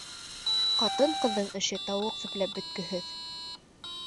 Ҡатын-ҡыҙҙың эше тауыҡ сүпләп бөткөһөҙ.